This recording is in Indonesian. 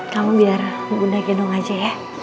kamu biar bunda genong aja ya